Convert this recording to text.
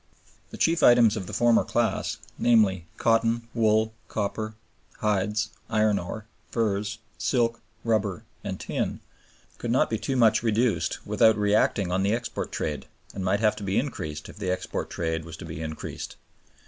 The chief items of the former class, namely, cotton, wool, copper, hides, iron ore, furs, silk, rubber, and tin, could not be much reduced without reacting on the export trade, and might have to be increased if the export trade was to be increased.